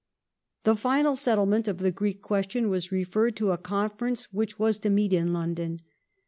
The final settlement of the Greek question was referred to a conference which was to meet in London.